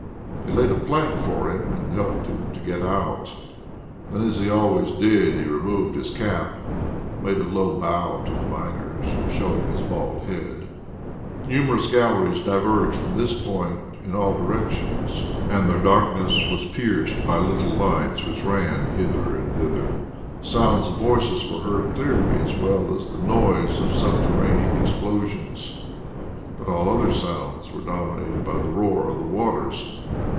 They laid a plank for him and helped him to get out. Then, as he always did, he removed his cap and made a low bow to the miners, showing his bald head. Numerous galleries diverged from this point in all directions, and their darkness was pierced by little lights which ran hither and thither. Sounds of voices were heard clearly as well as the noise of subterranean explosions, but all other sounds were dominated by the roar of the waters.